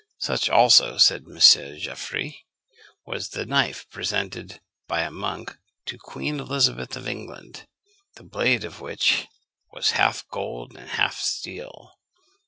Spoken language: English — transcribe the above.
Such also, said M. Geoffroy, was the knife presented by a monk to Queen Elizabeth of England; the blade of which was half gold and half steel.